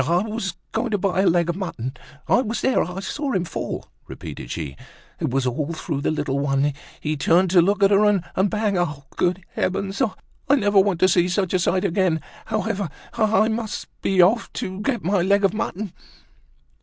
"I was going to buy a leg of mutton; I was there, I saw him fall," repeated she. "It was all through the little one; he turned to look at her, and bang! Ah! good heavens! I never want to see such a sight again. However, I must be off to get my leg of mutton."